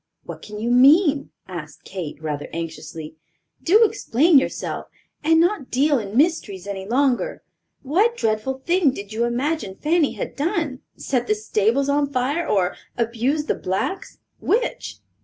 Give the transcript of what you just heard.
"What can you mean?" asked Kate, rather anxiously. "Do explain yourself, and not deal in mysteries any longer. What dreadful thing did you imagine Fanny had done—set the stables on fire, or abused the blacks—which?"